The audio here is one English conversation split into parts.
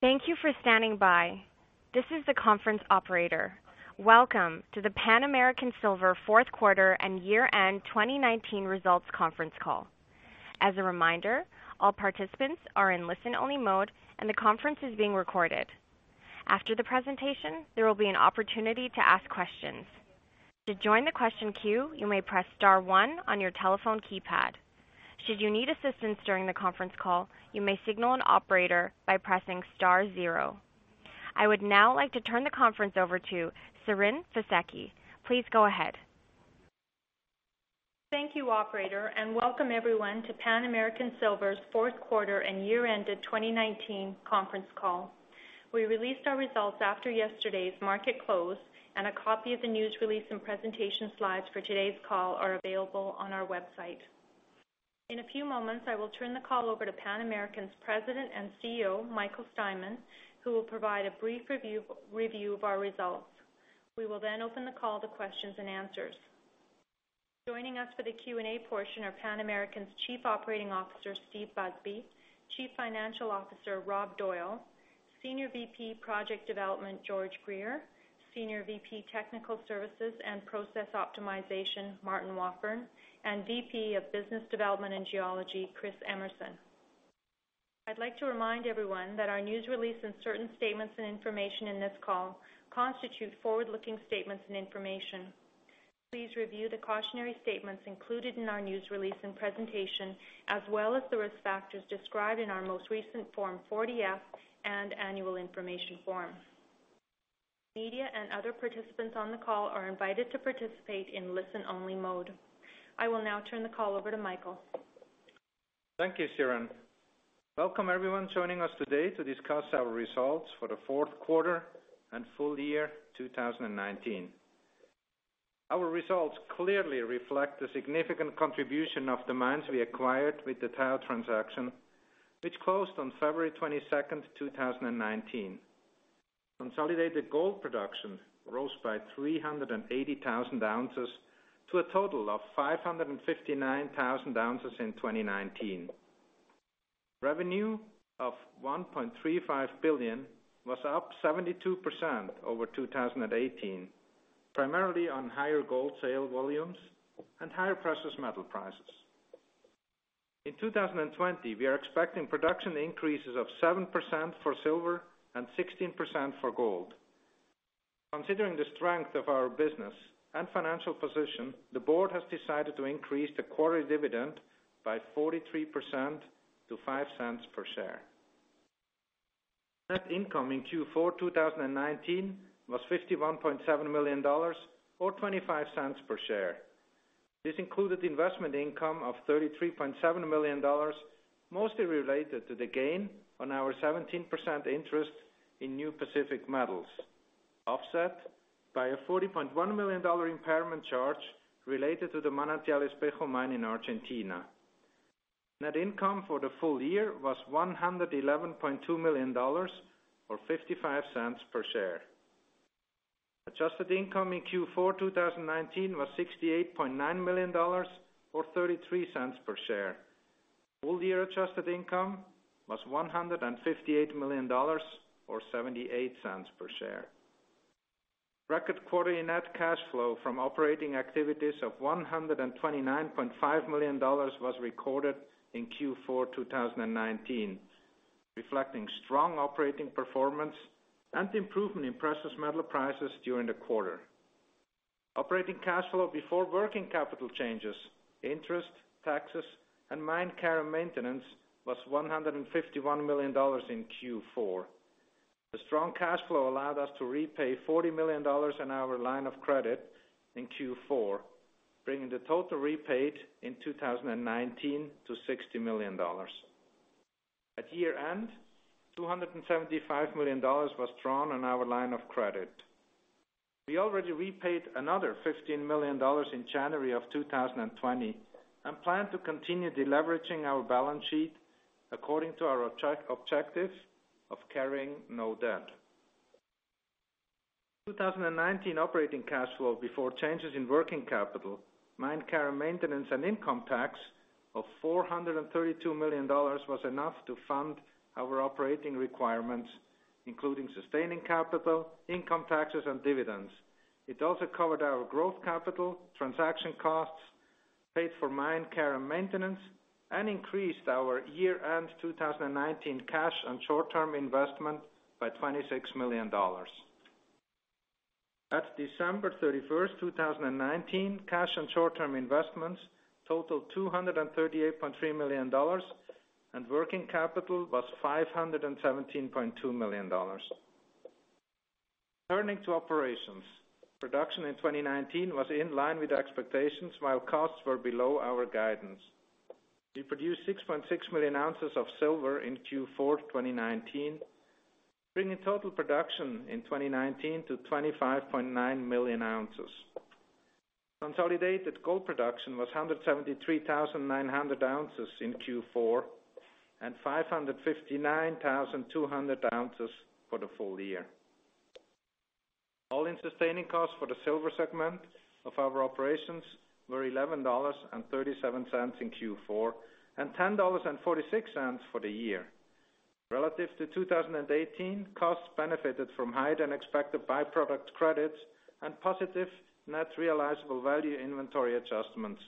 Thank you for standing by. This is the conference operator. Welcome to the Pan American Silver fourth quarter and year-end 2019 results conference call. As a reminder, all participants are in listen-only mode, and the conference is being recorded. After the presentation, there will be an opportunity to ask questions. To join the question queue, you may press star one on your telephone keypad. Should you need assistance during the conference call, you may signal an operator by pressing star zero. I would now like to turn the conference over to Siren Fisekci. Please go ahead. Thank you, Operator, and welcome everyone to Pan American Silver's fourth quarter and year-end of 2019 conference call. We released our results after yesterday's market close, and a copy of the news release and presentation slides for today's call are available on our website. In a few moments, I will turn the call over to Pan American's President and CEO, Michael Steinmann, who will provide a brief review of our results. We will then open the call to questions and answers. Joining us for the Q&A portion are Pan American's Chief Operating Officer, Steve Busby, Chief Financial Officer, Rob Doyle, Senior VP Project Development, George Greer, Senior VP Technical Services and Process Optimization, Martin Wafforn, and VP of Business Development and Geology, Chris Emerson. I'd like to remind everyone that our news release and certain statements and information in this call constitute forward-looking statements and information. Please review the cautionary statements included in our news release and presentation, as well as the risk factors described in our most recent Form 40-F and Annual Information Form. Media and other participants on the call are invited to participate in listen-only mode. I will now turn the call over to Michael. Thank you, Siren. Welcome everyone joining us today to discuss our results for the fourth quarter and full year 2019. Our results clearly reflect the significant contribution of the mines we acquired with the Tahoe transaction, which closed on February 22nd, 2019. Consolidated gold production rose by 380,000 ounces to a total of 559,000 ounces in 2019. Revenue of $1.35 billion was up 72% over 2018, primarily on higher gold sale volumes and higher precious metal prices. In 2020, we are expecting production increases of 7% for silver and 16% for gold. Considering the strength of our business and financial position, the board has decided to increase the quarterly dividend by 43% to $0.05 per share. Net income in Q4 2019 was $51.7 million or $0.25 per share. This included investment income of $33.7 million, mostly related to the gain on our 17% interest in New Pacific Metals, offset by a $40.1 million impairment charge related to the Manantial Espejo mine in Argentina. Net income for the full year was $111.2 million or $0.55 per share. Adjusted income in Q4 2019 was $68.9 million or $0.33 per share. Full year adjusted income was $158 million or $0.78 per share. Record quarterly net cash flow from operating activities of $129.5 million was recorded in Q4 2019, reflecting strong operating performance and improvement in precious metal prices during the quarter. Operating cash flow before working capital changes, interest, taxes, and mine care and maintenance was $151 million in Q4. The strong cash flow allowed us to repay $40 million in our line of credit in Q4, bringing the total repaid in 2019 to $60 million. At year-end, $275 million was drawn on our line of credit. We already repaid another $15 million in January of 2020 and plan to continue deleveraging our balance sheet according to our objective of carrying no debt. 2019 operating cash flow before changes in working capital, mine care and maintenance, and income tax of $432 million was enough to fund our operating requirements, including sustaining capital, income taxes, and dividends. It also covered our growth capital, transaction costs, paid for mine care and maintenance, and increased our year-end 2019 cash and short-term investment by $26 million. At December 31st, 2019, cash and short-term investments totaled $238.3 million, and working capital was $517.2 million. Turning to operations, production in 2019 was in line with expectations while costs were below our guidance. We produced 6.6 million ounces of silver in Q4 2019, bringing total production in 2019 to 25.9 million ounces. Consolidated gold production was 173,900 ounces in Q4 and 559,200 ounces for the full year. All-in sustaining costs for the silver segment of our operations were $11.37 in Q4 and $10.46 for the year. Relative to 2018, costs benefited from higher than expected by-product credits and positive net realizable value inventory adjustments,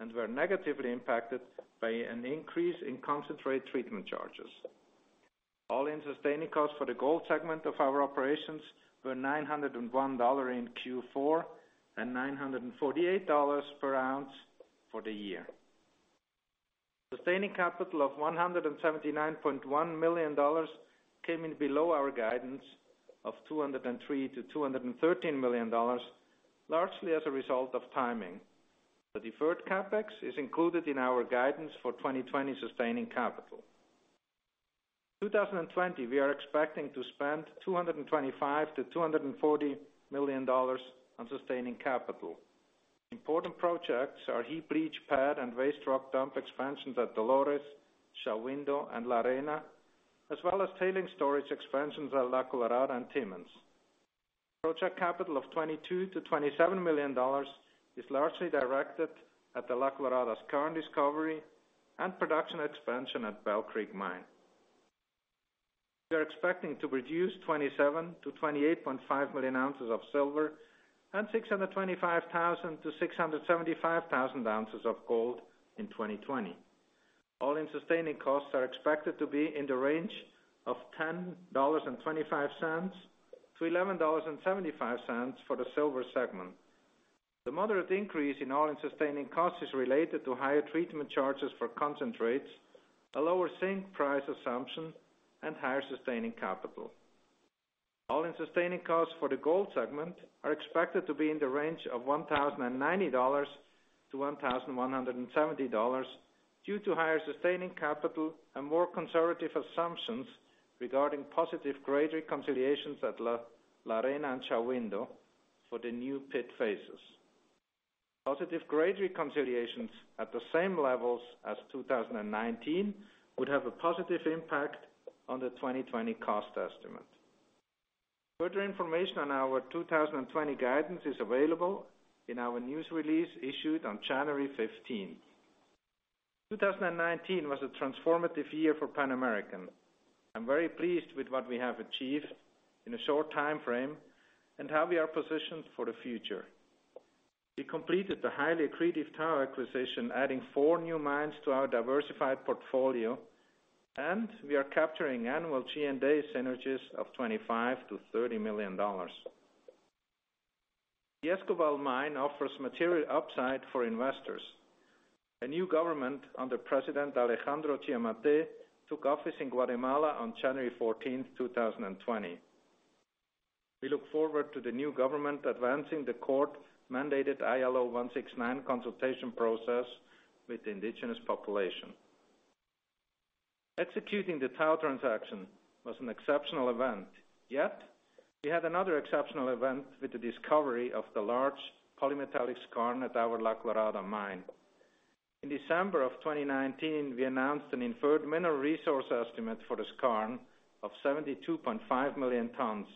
and were negatively impacted by an increase in concentrate treatment charges. All-in sustaining costs for the gold segment of our operations were $901 in Q4 and $948 per ounce for the year. Sustaining capital of $179.1 million came in below our guidance of $203 million-$213 million, largely as a result of timing. The deferred CapEx is included in our guidance for 2020 sustaining capital. In 2020, we are expecting to spend $225 million-$240 million on sustaining capital. Important projects are heap leach pad and waste rock dump expansions at Dolores, Shahuindo, and La Arena, as well as tailings storage expansions at La Colorada and Timmins. Project capital of $22 million-$27 million is largely directed at the La Colorada's current discovery and production expansion at Bell Creek Mine. We are expecting to produce 27 million ounces-28.5 million ounces of silver and 625,000 ounces-675,000 ounces of gold in 2020. All-in sustaining costs are expected to be in the range of $10.25-$11.75 for the silver segment. The moderate increase in all-in sustaining costs is related to higher treatment charges for concentrates, a lower zinc price assumption, and higher sustaining capital. All-in sustaining costs for the gold segment are expected to be in the range of $1,090-$1,170 due to higher sustaining capital and more conservative assumptions regarding positive grade reconciliations at La Arena and Shahuindo for the new pit phases. Positive grade reconciliations at the same levels as 2019 would have a positive impact on the 2020 cost estimate. Further information on our 2020 guidance is available in our news release issued on January 15th. 2019 was a transformative year for Pan American. I'm very pleased with what we have achieved in a short time frame and how we are positioned for the future. We completed the highly accretive Tahoe acquisition, adding four new mines to our diversified portfolio, and we are capturing annual G&A synergies of $25 million-$30 million. The Escobal mine offers material upside for investors. A new government under President Alejandro Giammattei took office in Guatemala on January 14th, 2020. We look forward to the new government advancing the court-mandated ILO 169 consultation process with the indigenous population. Executing the Tahoe transaction was an exceptional event, yet we had another exceptional event with the discovery of the large polymetallic skarn at our La Colorada mine. In December of 2019, we announced an inferred mineral resource estimate for the skarn of 72.5 million tons,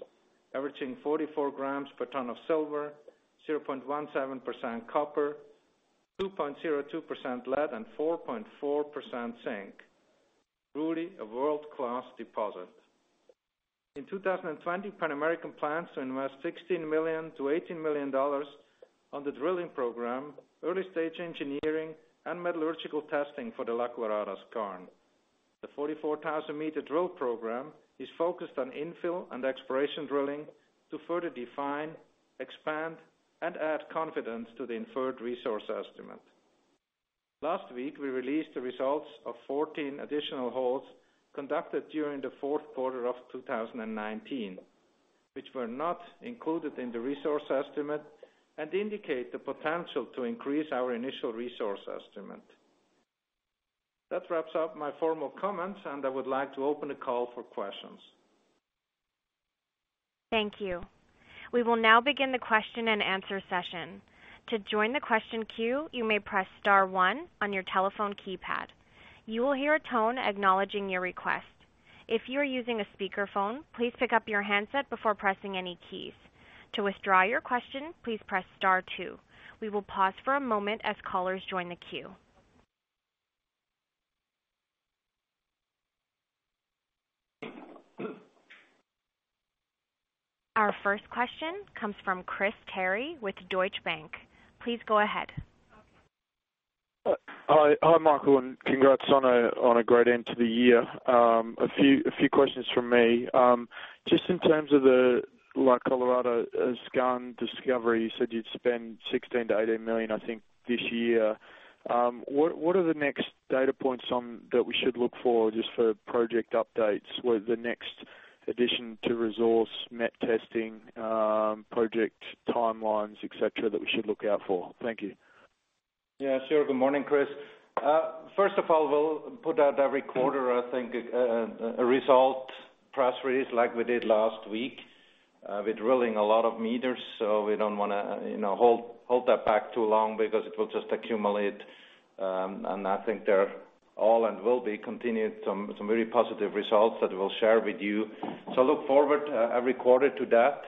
averaging 44 grams per ton of silver, 0.17% copper, 2.02% lead, and 4.4% zinc, truly a world-class deposit. In 2020, Pan American plans to invest $16 million-$18 million on the drilling program, early-stage engineering, and metallurgical testing for the La Colorada skarn. The 44,000-meter drill program is focused on infill and exploration drilling to further define, expand, and add confidence to the inferred resource estimate. Last week, we released the results of 14 additional holes conducted during the fourth quarter of 2019, which were not included in the resource estimate and indicate the potential to increase our initial resource estimate. That wraps up my formal comments, and I would like to open the call for questions. Thank you. We will now begin the question and answer session. To join the question queue, you may press star one on your telephone keypad. You will hear a tone acknowledging your request. If you are using a speakerphone, please pick up your handset before pressing any keys. To withdraw your question, please press star two. We will pause for a moment as callers join the queue. Our first question comes from Chris Terry with Deutsche Bank. Please go ahead. Hi, Michael, and congrats on a great end to the year. A few questions from me. Just in terms of the La Colorada skarn discovery, you said you'd spend $16 million-$18 million, I think, this year. What are the next data points that we should look for just for project updates with the next addition to resource met testing, project timelines, etc., that we should look out for? Thank you. Yeah, sure. Good morning, Chris. First of all, we'll put out every quarter, I think, a result press release like we did last week with drilling a lot of meters, so we don't want to hold that back too long because it will just accumulate. And I think there are and will be continued some very positive results that we'll share with you. So look forward every quarter to that.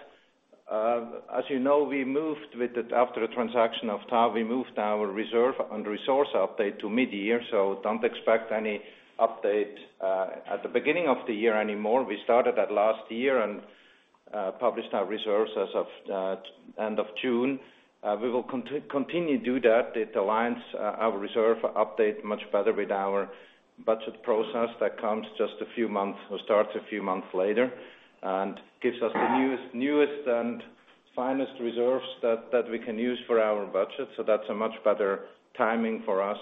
As you know, we moved with it after the transaction of Tahoe, we moved our reserve and resource update to mid-year, so don't expect any update at the beginning of the year anymore. We started that last year and published our reserves as of the end of June. We will continue to do that. It aligns our reserve update much better with our budget process that comes just a few months or starts a few months later and gives us the newest and finest reserves that we can use for our budget, so that's a much better timing for us,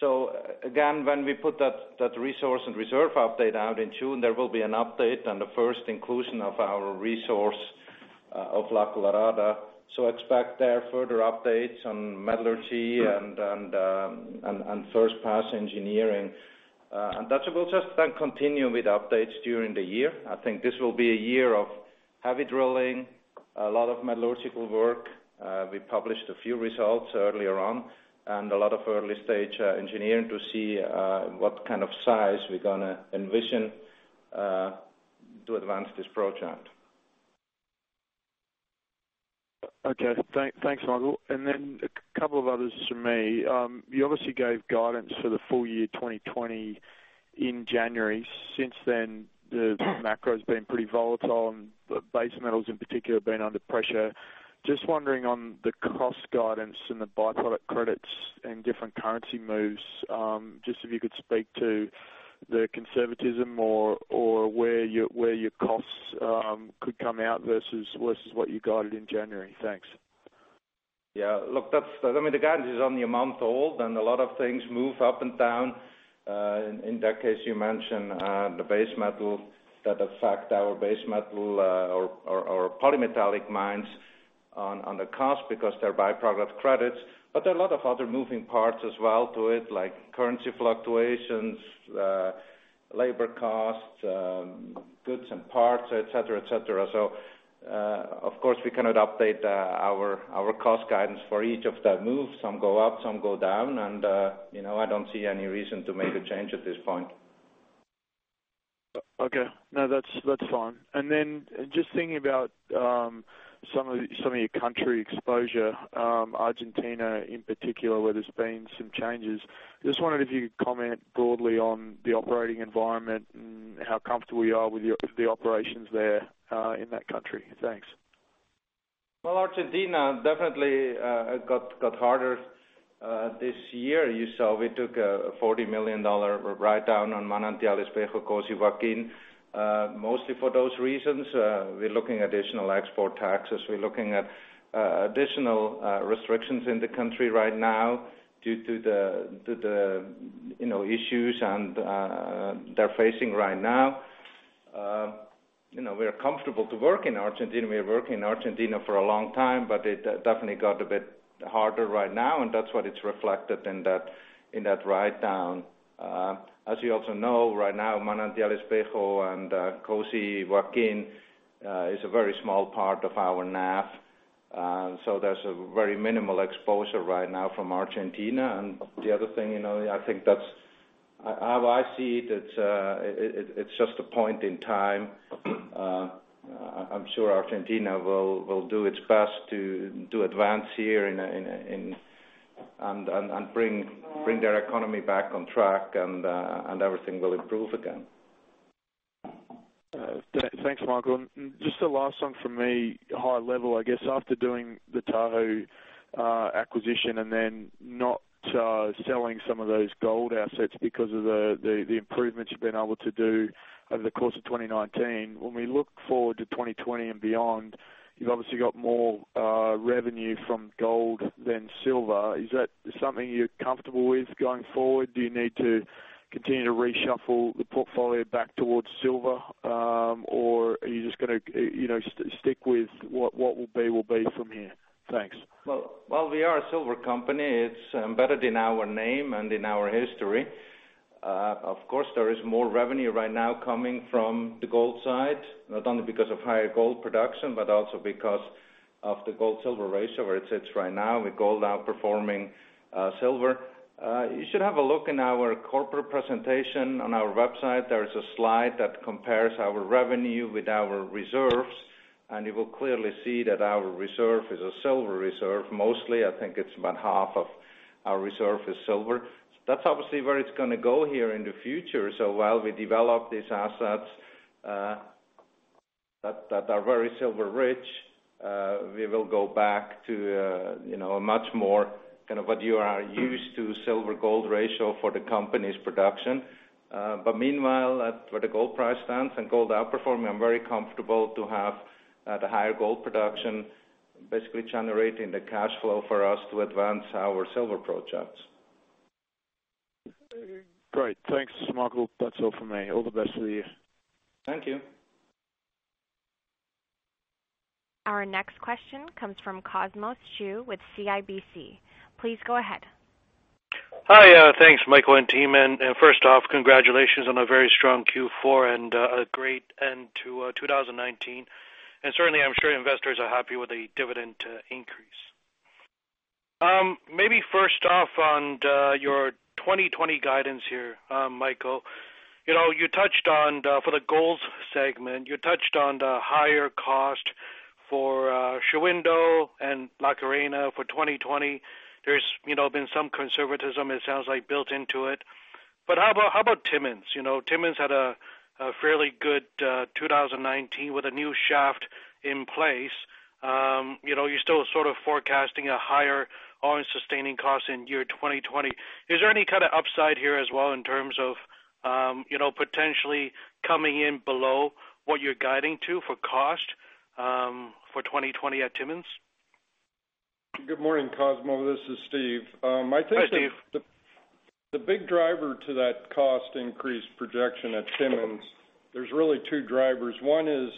so again, when we put that resource and reserve update out in June, there will be an update on the first inclusion of our resource of La Colorada, so expect there further updates on metallurgy and first-pass engineering, and that will just then continue with updates during the year. I think this will be a year of heavy drilling, a lot of metallurgical work. We published a few results earlier on and a lot of early-stage engineering to see what kind of size we're going to envision to advance this project. Okay. Thanks, Michael. And then a couple of others from me. You obviously gave guidance for the full year 2020 in January. Since then, the macro has been pretty volatile and the base metals in particular have been under pressure. Just wondering on the cost guidance and the byproduct credits and different currency moves, just if you could speak to the conservatism or where your costs could come out versus what you guided in January? Thanks. Yeah. Look, I mean, the guidance is only a month old and a lot of things move up and down. In that case, you mentioned the base metals that affect our base metal or polymetallic mines on the cost because they're byproduct credits. But there are a lot of other moving parts as well to it, like currency fluctuations, labor costs, goods and parts, etc., etc. So of course, we cannot update our cost guidance for each of the moves. Some go up, some go down, and I don't see any reason to make a change at this point. Okay. No, that's fine. And then just thinking about some of your country exposure, Argentina in particular, where there's been some changes, just wondered if you could comment broadly on the operating environment and how comfortable you are with the operations there in that country? Thanks. Argentina definitely got harder this year. You saw we took a $40 million write-down on Manantial Espejo, COSE, mostly for those reasons. We're looking at additional export taxes. We're looking at additional restrictions in the country right now due to the issues that they're facing right now. We're comfortable to work in Argentina. We've worked in Argentina for a long time, but it definitely got a bit harder right now, and that's what it's reflected in that write-down. As you also know, right now, Manantial Espejo and COSE is a very small part of our NAV. So there's a very minimal exposure right now from Argentina. The other thing, I think that's how I see it, it's just a point in time. I'm sure Argentina will do its best to advance here and bring their economy back on track, and everything will improve again. Thanks, Michael. Just a last one from me, high level, I guess, after doing the Tahoe acquisition and then not selling some of those gold assets because of the improvements you've been able to do over the course of 2019, when we look forward to 2020 and beyond, you've obviously got more revenue from gold than silver. Is that something you're comfortable with going forward? Do you need to continue to reshuffle the portfolio back towards silver, or are you just going to stick with what will be will be from here? Thanks. We are a silver company. It's embedded in our name and in our history. Of course, there is more revenue right now coming from the gold side, not only because of higher gold production, but also because of the gold-silver ratio where it sits right now with gold outperforming silver. You should have a look in our corporate presentation on our website. There is a slide that compares our revenue with our reserves, and you will clearly see that our reserve is a silver reserve. Mostly, I think it's about half of our reserve is silver. That's obviously where it's going to go here in the future. So while we develop these assets that are very silver-rich, we will go back to a much more kind of what you are used to, silver-gold ratio for the company's production. But meanwhile, where the gold price stands and gold outperforming, I'm very comfortable to have the higher gold production basically generating the cash flow for us to advance our silver projects. Great. Thanks, Michael. That's all from me. All the best to you. Thank you. Our next question comes from Cosmos Chiu with CIBC. Please go ahead. Hi. Thanks, Michael and team. And first off, congratulations on a very strong Q4 and a great end to 2019. And certainly, I'm sure investors are happy with the dividend increase. Maybe first off on your 2020 guidance here, Michael, you touched on for the gold segment, you touched on the higher cost for Shahuindo and La Arena for 2020. There's been some conservatism, it sounds like, built into it. But how about Timmins? Timmins had a fairly good 2019 with a new shaft in place. You're still sort of forecasting a higher all-in sustaining cost in year 2020. Is there any kind of upside here as well in terms of potentially coming in below what you're guiding to for cost for 2020 at Timmins? Good morning, Cosmo. This is Steve. I think the big driver to that cost increase projection at Timmins. There's really two drivers. One is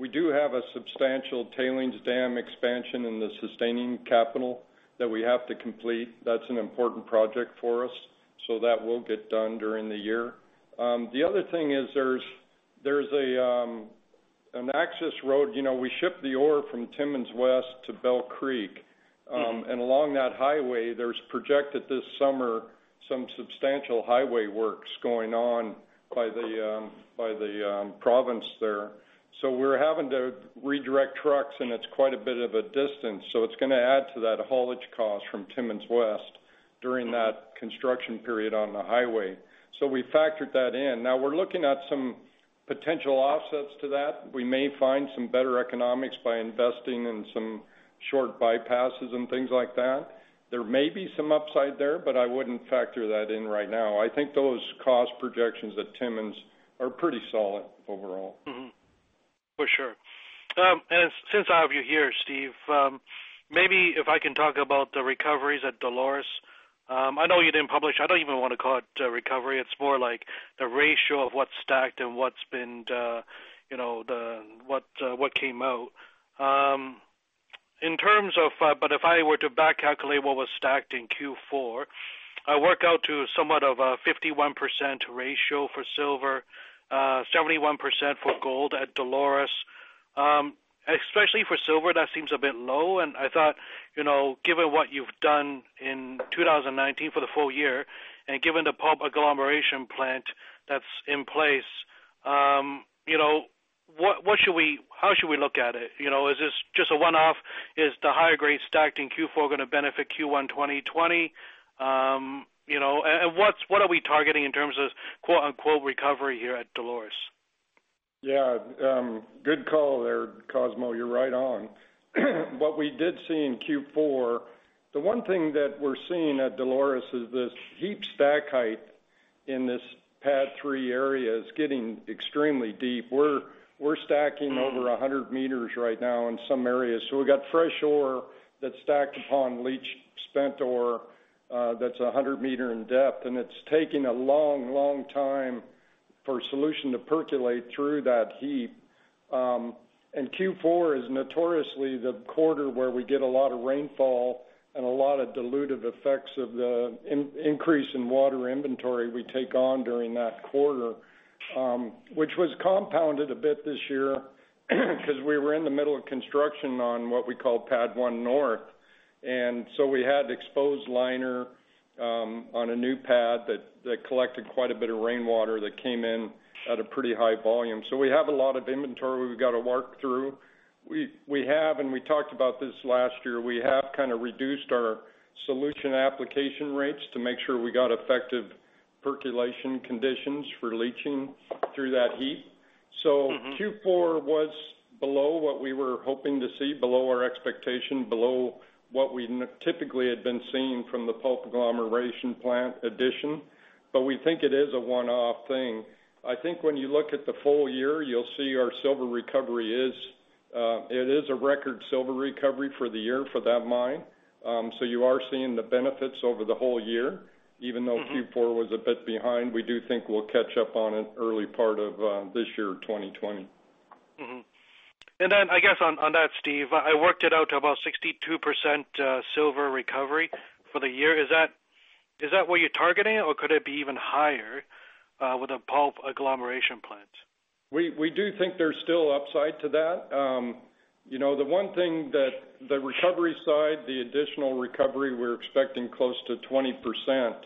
we do have a substantial tailings dam expansion in the sustaining capital that we have to complete. That's an important project for us, so that will get done during the year. The other thing is there's an access road. We ship the ore from Timmins West to Bell Creek, and along that highway, there's projected this summer some substantial highway works going on by the province there. So we're having to redirect trucks, and it's quite a bit of a distance. So it's going to add to that haulage cost from Timmins West during that construction period on the highway. So we factored that in. Now, we're looking at some potential offsets to that. We may find some better economics by investing in some short bypasses and things like that. There may be some upside there, but I wouldn't factor that in right now. I think those cost projections at Timmins are pretty solid overall. For sure. And since I have you here, Steve, maybe if I can talk about the recoveries at Dolores. I know you didn't publish. I don't even want to call it a recovery. It's more like the ratio of what's stacked and what came out. In terms of, but if I were to back calculate what was stacked in Q4, I work out to somewhat of a 51% ratio for silver, 71% for gold at Dolores. Especially for silver, that seems a bit low. And I thought, given what you've done in 2019 for the full year and given the pulp agglomeration plant that's in place, how should we look at it? Is this just a one-off? Is the higher grade stacked in Q4 going to benefit Q1 2020? And what are we targeting in terms of "recovery" here at Dolores? Yeah. Good call there, Cosmo. You're right on. What we did see in Q4, the one thing that we're seeing at Dolores is this heap stack height in this pad three area is getting extremely deep. We're stacking over 100 meters right now in some areas. So we got fresh ore that's stacked upon leached spent ore that's 100 meters in depth, and it's taking a long, long time for solution to percolate through that heap. And Q4 is notoriously the quarter where we get a lot of rainfall and a lot of dilutive effects of the increase in water inventory we take on during that quarter, which was compounded a bit this year because we were in the middle of construction on what we call pad one north. And so we had exposed liner on a new pad that collected quite a bit of rainwater that came in at a pretty high volume. So we have a lot of inventory we've got to work through. We have, and we talked about this last year, we have kind of reduced our solution application rates to make sure we got effective percolation conditions for leaching through that heap. So Q4 was below what we were hoping to see, below our expectation, below what we typically had been seeing from the pulp agglomeration plant addition. But we think it is a one-off thing. I think when you look at the full year, you'll see our silver recovery is it is a record silver recovery for the year for that mine. So you are seeing the benefits over the whole year. Even though Q4 was a bit behind, we do think we'll catch up on an early part of this year, 2020. And then I guess on that, Steve, I worked it out to about 62% silver recovery for the year. Is that what you're targeting, or could it be even higher with the pulp agglomeration plant? We do think there's still upside to that. The one thing that the recovery side, the additional recovery, we're expecting close to 20%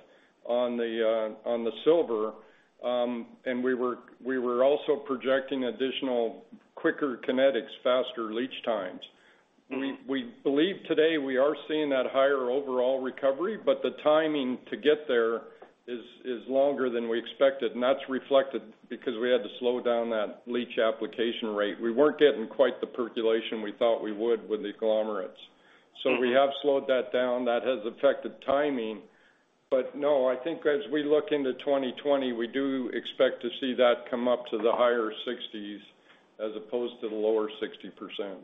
on the silver. And we were also projecting additional quicker kinetics, faster leach times. We believe today we are seeing that higher overall recovery, but the timing to get there is longer than we expected. And that's reflected because we had to slow down that leach application rate. We weren't getting quite the percolation we thought we would with the agglomerates. So we have slowed that down. That has affected timing. But no, I think as we look into 2020, we do expect to see that come up to the higher 60s as opposed to the lower 60%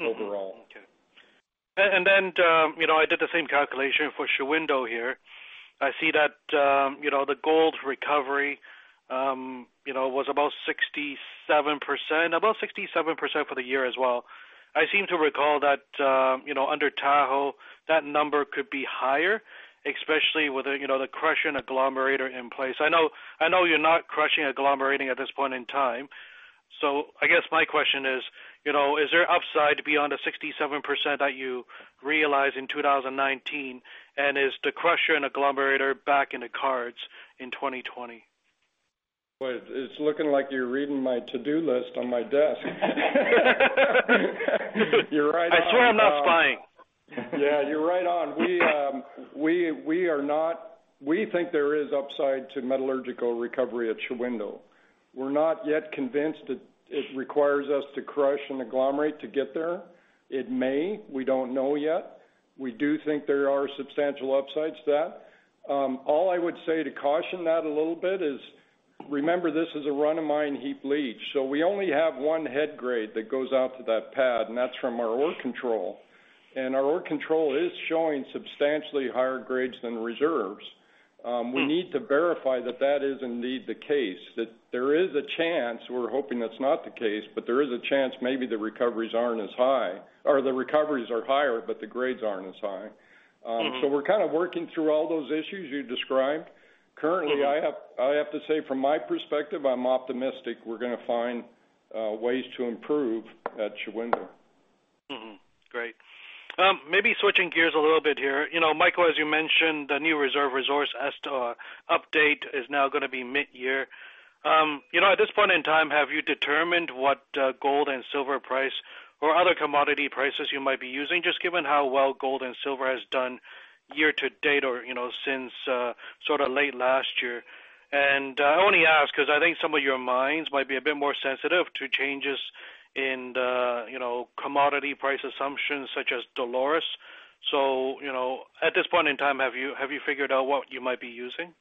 overall. Okay. And then I did the same calculation for Shahuindo here. I see that the gold recovery was about 67%, about 67% for the year as well. I seem to recall that under Tahoe, that number could be higher, especially with the crushing agglomerator in place. I know you're not crushing agglomerating at this point in time. So I guess my question is, is there upside beyond the 67% that you realized in 2019? And is the crusher and agglomerator back in the cards in 2020? It's looking like you're reading my to-do list on my desk. You're right on. I swear I'm not spying. Yeah, you're right on. We are not, we think there is upside to metallurgical recovery at Shahuindo. We're not yet convinced it requires us to crush and agglomerate to get there. It may. We don't know yet. We do think there are substantial upsides to that. All I would say to caution that a little bit is, remember, this is a run-of-mine heap leach. So we only have one head grade that goes out to that pad, and that's from our ore control. And our ore control is showing substantially higher grades than reserves. We need to verify that that is indeed the case, that there is a chance. We're hoping that's not the case, but there is a chance maybe the recoveries aren't as high or the recoveries are higher, but the grades aren't as high. So we're kind of working through all those issues you described. Currently, I have to say, from my perspective, I'm optimistic we're going to find ways to improve at Shahuindo. Great. Maybe switching gears a little bit here. Michael, as you mentioned, the new reserve resource update is now going to be mid-year. At this point in time, have you determined what gold and silver price or other commodity prices you might be using, just given how well gold and silver has done year to date or since sort of late last year? And I only ask because I think some of your mines might be a bit more sensitive to changes in commodity price assumptions such as Dolores. So at this point in time, have you figured out what you might be using?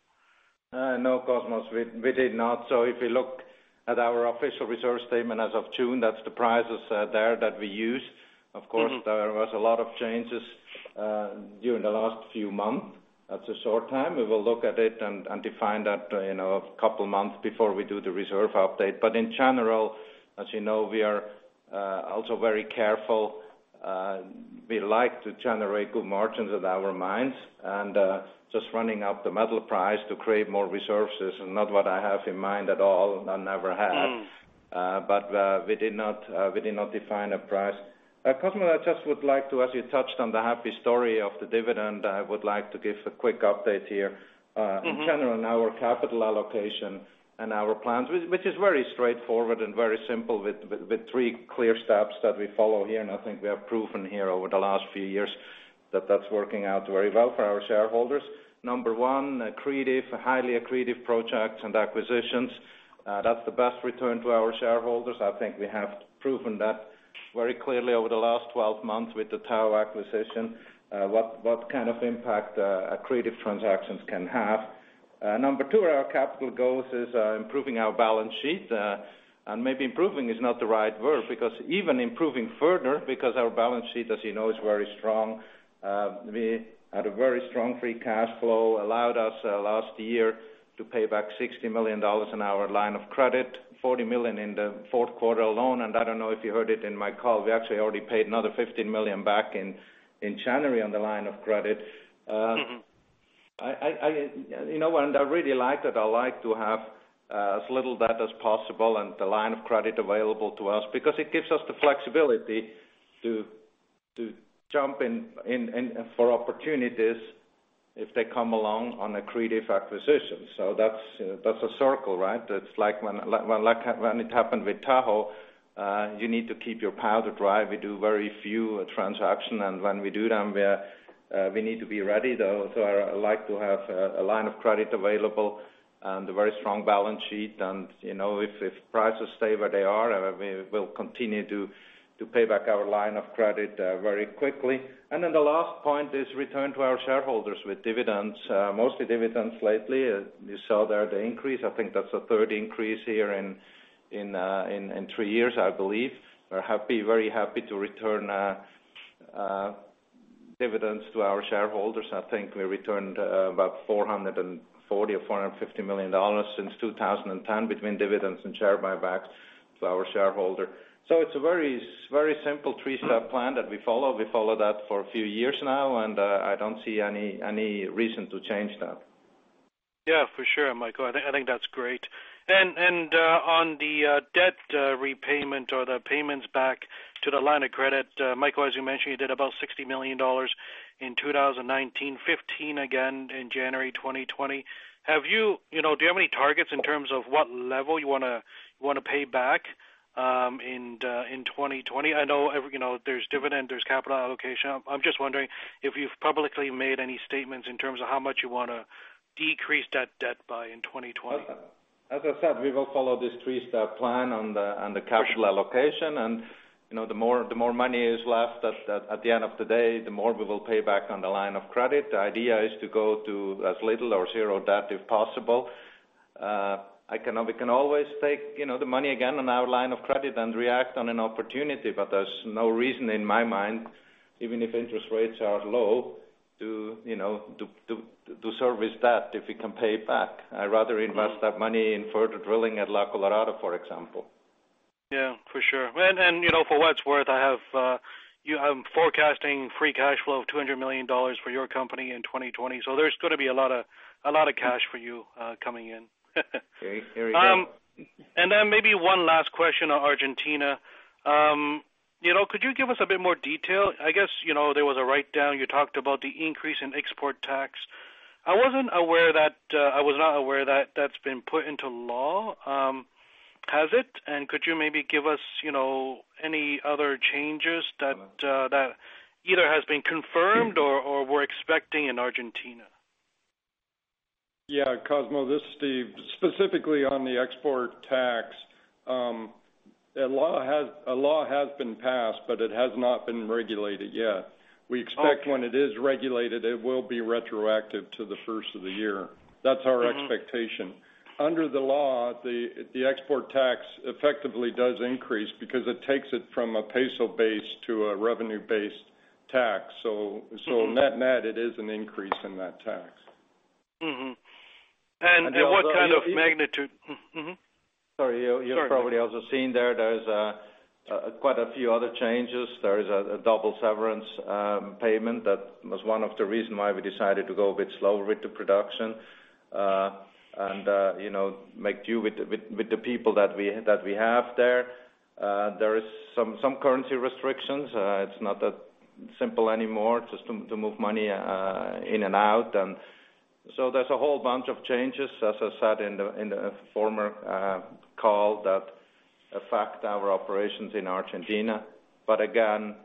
No, Cosmos. We did not. So if you look at our official reserve statement as of June, that's the prices there that we use. Of course, there was a lot of changes during the last few months. That's a short time. We will look at it and define that a couple of months before we do the reserve update. But in general, as you know, we are also very careful. We like to generate good margins at our mines and just running up the metal price to create more resources is not what I have in mind at all. I never have. But we did not define a price. Cosmo, I just would like to, as you touched on the happy story of the dividend, I would like to give a quick update here in general on our capital allocation and our plans, which is very straightforward and very simple with three clear steps that we follow here. And I think we have proven here over the last few years that that's working out very well for our shareholders. Number one, a creative, highly accretive projects and acquisitions. That's the best return to our shareholders. I think we have proven that very clearly over the last 12 months with the Tahoe acquisition, what kind of impact accretive transactions can have. Number two, our capital goals is improving our balance sheet. And maybe improving is not the right word because even improving further, because our balance sheet, as you know, is very strong. We had a very strong free cash flow that allowed us last year to pay back $60 million on our line of credit, $40 million in the fourth quarter alone, and I don't know if you heard it in my call. We actually already paid another $15 million back in January on the line of credit. You know what, and I really like that. I like to have as little debt as possible and the line of credit available to us because it gives us the flexibility to jump in for opportunities if they come along on accretive acquisitions, so that's a circle, right? It's like when it happened with Tahoe, you need to keep your powder dry. We do very few transactions, and when we do them, we need to be ready, though, so I like to have a line of credit available and a very strong balance sheet. If prices stay where they are, we will continue to pay back our line of credit very quickly. Then the last point is return to our shareholders with dividends, mostly dividends lately. You saw there the increase. I think that's the third increase here in three years, I believe. We're very happy to return dividends to our shareholders. I think we returned about $440 million or $450 million since 2010 between dividends and share buybacks to our shareholder. It's a very simple three-step plan that we follow. We follow that for a few years now, and I don't see any reason to change that. Yeah, for sure, Michael. I think that's great. And on the debt repayment or the payments back to the line of credit, Michael, as you mentioned, you did about $60 million in 2019, $15 million again in January 2020. Do you have any targets in terms of what level you want to pay back in 2020? I know there's dividend, there's capital allocation. I'm just wondering if you've publicly made any statements in terms of how much you want to decrease that debt by in 2020. As I said, we will follow this three-step plan on the capital allocation. And the more money is left at the end of the day, the more we will pay back on the line of credit. The idea is to go to as little or zero debt if possible. We can always take the money again on our line of credit and react on an opportunity, but there's no reason in my mind, even if interest rates are low, to service debt if we can pay it back. I'd rather invest that money in further drilling at La Colorada, for example. Yeah, for sure. And for what it's worth, I'm forecasting free cash flow of $200 million for your company in 2020. So there's going to be a lot of cash for you coming in. Here we go. Maybe one last question on Argentina. Could you give us a bit more detail? I guess there was a write-down. You talked about the increase in export tax. I wasn't aware that that's been put into law. Has it? And could you maybe give us any other changes that either has been confirmed or we're expecting in Argentina? Yeah, Cosmo, this is Steve. Specifically on the export tax, a law has been passed, but it has not been regulated yet. We expect when it is regulated, it will be retroactive to the first of the year. That's our expectation. Under the law, the export tax effectively does increase because it takes it from a peso base to a revenue-based tax. So net-net, it is an increase in that tax. What kind of magnitude? Sorry, you probably also seen there. There's quite a few other changes. There is a double severance payment that was one of the reasons why we decided to go a bit slower with the production and make do with the people that we have there. There are some currency restrictions. It's not that simple anymore just to move money in and out. And so there's a whole bunch of changes, as I said in the former call, that affect our operations in Argentina. But again,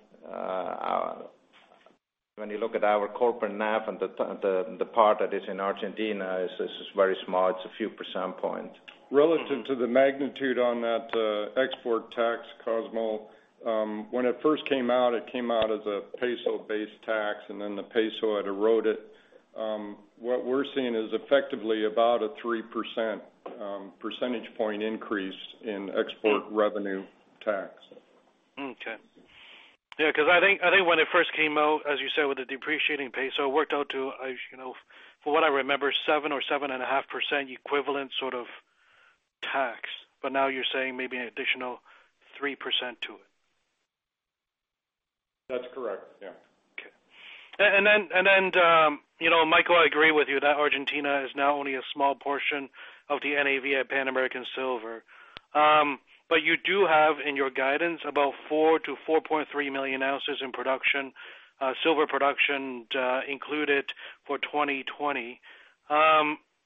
when you look at our corporate NAV and the part that is in Argentina, it's very small. It's a few percentage points. Relative to the magnitude on that export tax, Cosmo, when it first came out, it came out as a peso-based tax, and then the peso had eroded. What we're seeing is effectively about a 3% percentage point increase in export revenue tax. Okay. Yeah, because I think when it first came out, as you said, with the depreciating peso, it worked out to, from what I remember, 7% or 7.5% equivalent sort of tax. But now you're saying maybe an additional 3% to it. That's correct. Yeah. Okay. And then, Michael, I agree with you that Argentina is now only a small portion of the NAV at Pan American Silver. But you do have in your guidance about 4 million ounces-4.3 million ounces in silver production included for 2020.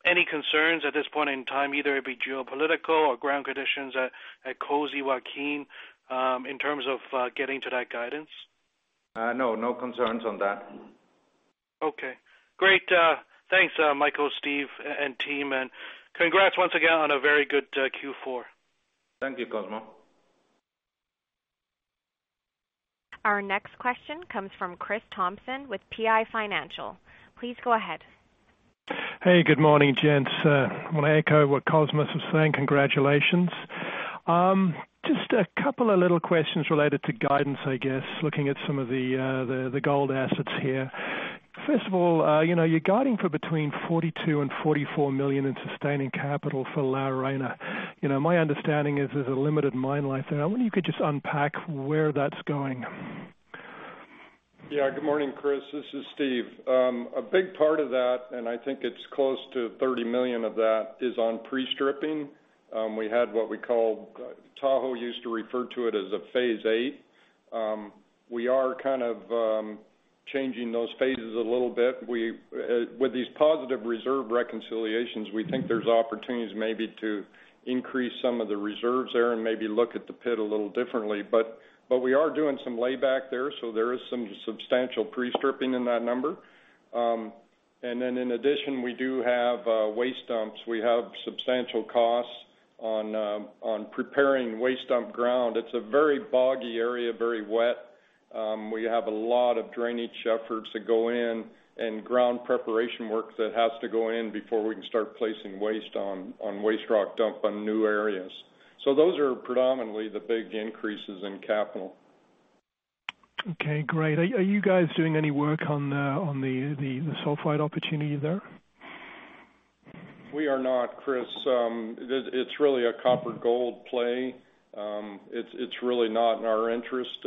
Any concerns at this point in time, either it be geopolitical or ground conditions at COSE, Joaquin, in terms of getting to that guidance? No, no concerns on that. Okay. Great. Thanks, Michael, Steve, and team, and congrats once again on a very good Q4. Thank you, Cosmo. Our next question comes from Chris Thompson with PI Financial. Please go ahead. Hey, good morning, gents. I want to echo what Cosmo's saying. Congratulations. Just a couple of little questions related to guidance, I guess, looking at some of the gold assets here. First of all, you're guiding for between $42 million and $44 million in sustaining capital for La Arena. My understanding is there's a limited mine life there. I wonder if you could just unpack where that's going. Yeah, good morning, Chris. This is Steve. A big part of that, and I think it's close to $30 million of that, is on pre-stripping. We had what we called Tahoe used to refer to it as a phase VIII. We are kind of changing those phases a little bit. With these positive reserve reconciliations, we think there's opportunities maybe to increase some of the reserves there and maybe look at the pit a little differently. But we are doing some layback there, so there is some substantial pre-stripping in that number. And then in addition, we do have waste dumps. We have substantial costs on preparing waste dump ground. It's a very boggy area, very wet. We have a lot of drainage efforts that go in and ground preparation work that has to go in before we can start placing waste on waste rock dump on new areas. So those are predominantly the big increases in capital. Okay, great. Are you guys doing any work on the sulfide opportunity there? We are not, Chris. It's really a copper-gold play. It's really not in our interest.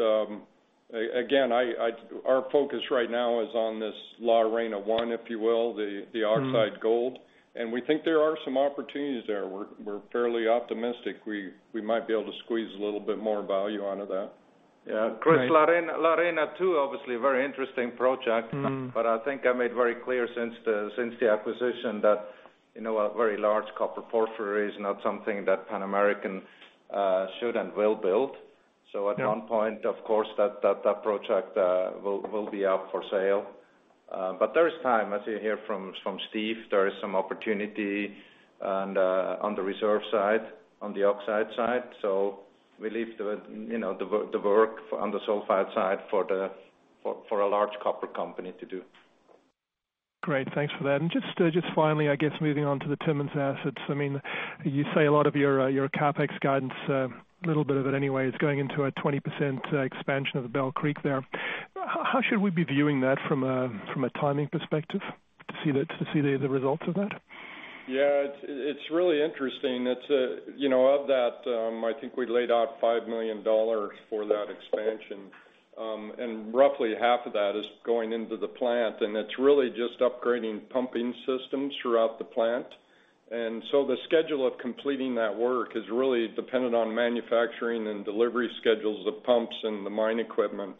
Again, our focus right now is on this La Arena I, if you will, the oxide gold. And we think there are some opportunities there. We're fairly optimistic we might be able to squeeze a little bit more value out of that. Yeah. Chris, La Arena II, obviously, very interesting project. But I think I made very clear since the acquisition that a very large copper portfolio is not something that Pan American should and will build. So at one point, of course, that project will be up for sale. But there is time, as you hear from Steve, there is some opportunity on the reserve side, on the oxide side. So we leave the work on the sulfide side for a large copper company to do. Great. Thanks for that. And just finally, I guess, moving on to the Timmins assets. I mean, you say a lot of your CapEx guidance, a little bit of it anyway, is going into a 20% expansion of the Bell Creek there. How should we be viewing that from a timing perspective to see the results of that? Yeah, it's really interesting. Of that, I think we laid out $5 million for that expansion. And roughly half of that is going into the plant. And it's really just upgrading pumping systems throughout the plant. And so the schedule of completing that work is really dependent on manufacturing and delivery schedules of pumps and the mine equipment.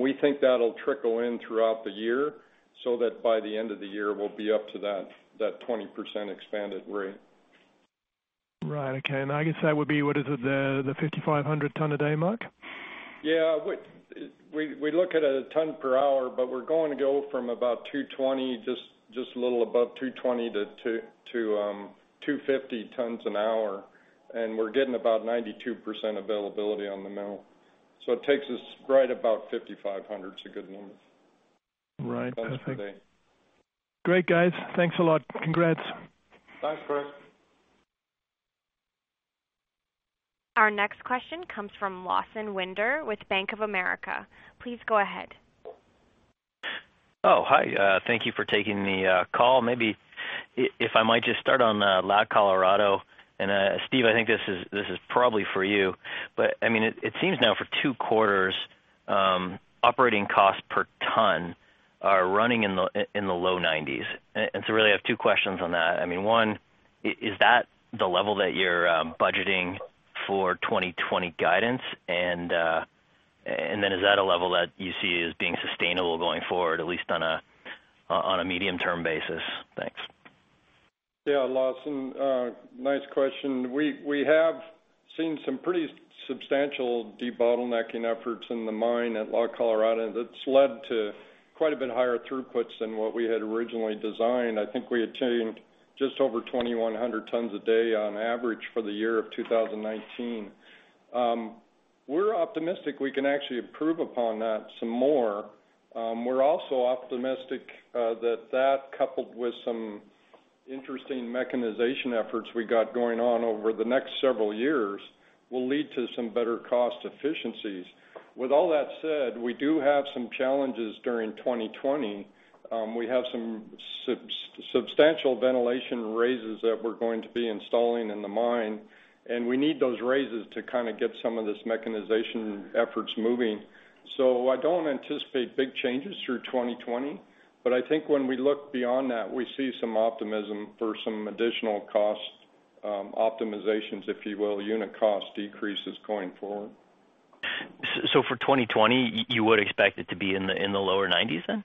We think that'll trickle in throughout the year so that by the end of the year, we'll be up to that 20% expanded rate. Right. Okay. And I guess that would be, what is it, the 5,500 ton a day mark? Yeah. We look at a ton per hour, but we're going to go from about 220 tons, just a little above 220 to 250 tons an hour. And we're getting about 92% availability on the mill. So it takes us right about 5,500 tons. It's a good number. Right. That's a good day. Great, guys. Thanks a lot. Congrats. Thanks, Chris. Our next question comes from Lawson Winder with Bank of America. Please go ahead. Oh, hi. Thank you for taking the call. Maybe if I might just start on La Colorada. And Steve, I think this is probably for you. But I mean, it seems now for two quarters, operating costs per ton are running in the low $90s. And so really, I have two questions on that. I mean, one, is that the level that you're budgeting for 2020 guidance? And then is that a level that you see as being sustainable going forward, at least on a medium-term basis? Thanks. Yeah, Lawson, nice question. We have seen some pretty substantial debottlenecking efforts in the mine at La Colorada that's led to quite a bit higher throughputs than what we had originally designed. I think we attained just over 2,100 tons a day on average for the year of 2019. We're optimistic we can actually improve upon that some more. We're also optimistic that that, coupled with some interesting mechanization efforts we got going on over the next several years, will lead to some better cost efficiencies. With all that said, we do have some challenges during 2020. We have some substantial ventilation raises that we're going to be installing in the mine, and we need those raises to kind of get some of this mechanization efforts moving. So I don't anticipate big changes through 2020. But I think when we look beyond that, we see some optimism for some additional cost optimizations, if you will, unit cost decreases going forward. So for 2020, you would expect it to be in the lower $90s then?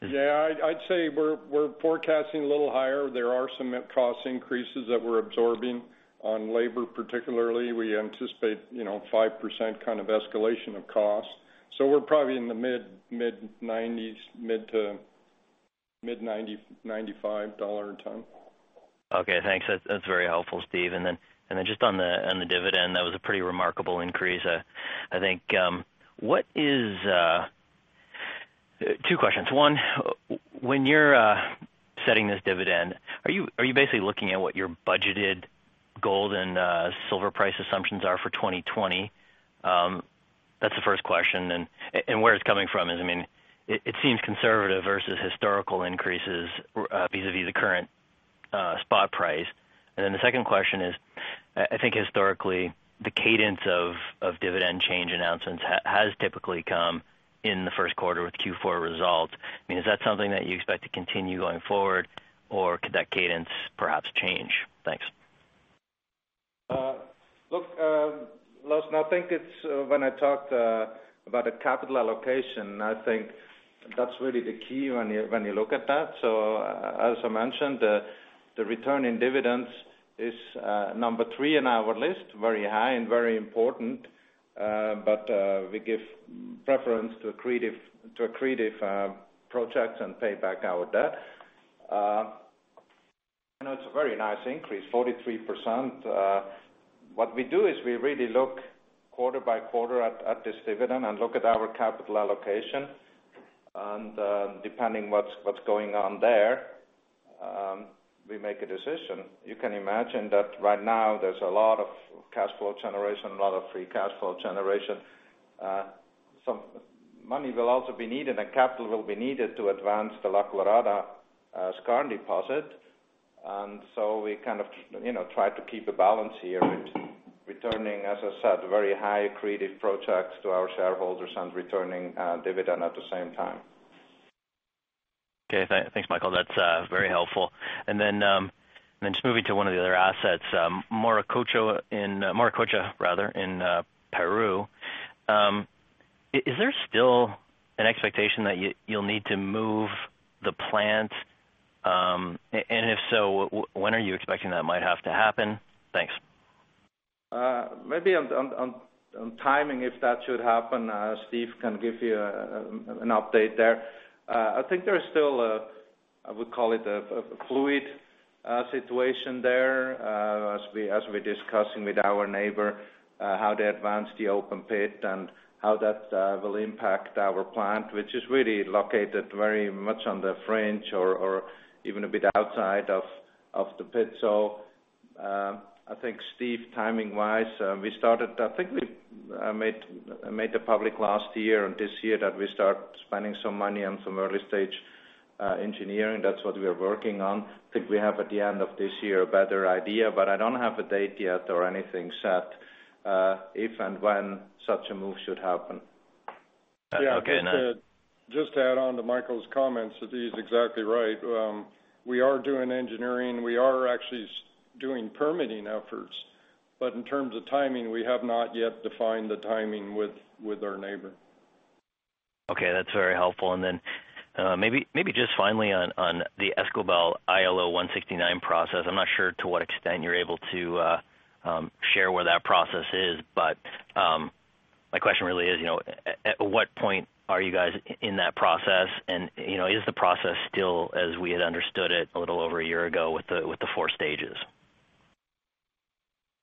Yeah. I'd say we're forecasting a little higher. There are some cost increases that we're absorbing on labor, particularly. We anticipate 5% kind of escalation of cost. So we're probably in the mid-$90s, mid-$95 a ton. Okay. Thanks. That's very helpful, Steve. And then just on the dividend, that was a pretty remarkable increase. I think what is two questions. One, when you're setting this dividend, are you basically looking at what your budgeted gold and silver price assumptions are for 2020? That's the first question. And where it's coming from is, I mean, it seems conservative versus historical increases vis-à-vis the current spot price. And then the second question is, I think historically, the cadence of dividend change announcements has typically come in the first quarter with Q4 results. I mean, is that something that you expect to continue going forward, or could that cadence perhaps change? Thanks. Look, Lawson, I think it's when I talked about the capital allocation, I think that's really the key when you look at that. So as I mentioned, the returning dividends is number three on our list, very high and very important. But we give preference to capital projects and pay back our debt. I know it's a very nice increase, 43%. What we do is we really look quarter by quarter at this dividend and look at our capital allocation. And depending on what's going on there, we make a decision. You can imagine that right now, there's a lot of cash flow generation, a lot of free cash flow generation. Some money will also be needed, and capital will be needed to advance the La Colorada skarn deposit. We kind of try to keep a balance here in returning, as I said, very high creative projects to our shareholders and returning dividend at the same time. Okay. Thanks, Michael. That's very helpful. And then just moving to one of the other assets, Morococha rather, in Peru. Is there still an expectation that you'll need to move the plant? And if so, when are you expecting that might have to happen? Thanks. Maybe on timing, if that should happen, Steve can give you an update there. I think there's still, I would call it, a fluid situation there as we're discussing with our neighbor how they advance the open pit and how that will impact our plant, which is really located very much on the fringe or even a bit outside of the pit. So I think, Steve, timing-wise, I think we made it public last year and this year that we start spending some money on some early-stage engineering. That's what we are working on. I think we have, at the end of this year, a better idea. But I don't have a date yet or anything set if and when such a move should happen. Yeah. Just to add on to Michael's comments, he's exactly right. We are doing engineering. We are actually doing permitting efforts. But in terms of timing, we have not yet defined the timing with our neighbor. Okay. That's very helpful. And then maybe just finally on the Escobal ILO 169 process, I'm not sure to what extent you're able to share where that process is. But my question really is, at what point are you guys in that process? And is the process still, as we had understood it a little over a year ago, with the four stages?